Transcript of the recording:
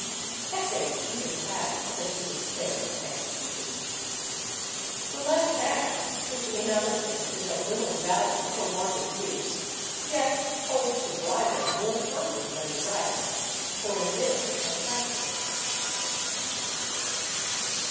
Essay even tasks that you despair of executing. The left hand, which in other things is of little value for want of use, yet holds the bridle more firmly than the right, for in this it has practice.